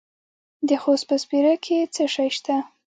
د خوست په سپیره کې څه شی شته؟